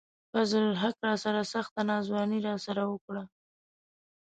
فضل الحق راسره سخته ناځواني راسره وڪړه